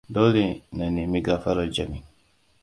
Dole na nemi gafarar Jami.